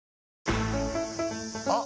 あ！